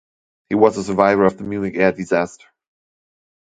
He was a survivor of the Munich air disaster.